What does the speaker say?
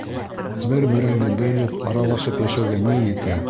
Бер-береңде белеп, аралашып йәшәүгә ни етә!